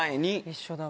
一緒だわ。